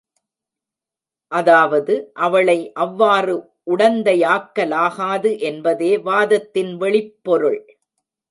அதாவது, அவளை அவ்வாறு உடந்தையாக்கலாகாது என்பதே வாதத்தின் வெளிப் பொருள்.